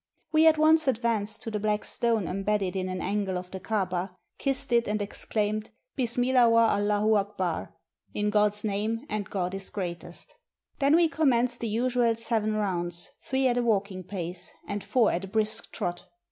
We at once advanced to the black stone embedded in an angle of the Kabah, kissed it, and exclaimed, "Bismillah wa Allahu Akbar," — "In God's name, and God is greatest." Then we com menced the usual seven rounds, three at a walking pace, and four at a brisk trot.